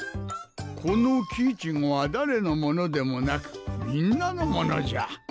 この木苺は誰のものでもなくみんなのものじゃ。